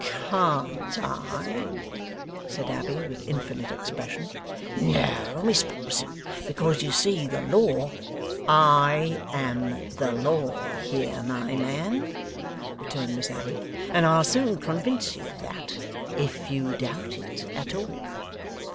'CAN'T I!' said Abbey, with infinite expression. 'No, Miss Potterson; because, you see, the law ' 'I am the law here, my man,' returned Miss Abbey, 'and I'll soon convince you of that, if you doubt it at all.